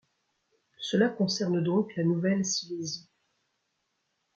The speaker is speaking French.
Cela concerne donc la Nouvelle-Silésie.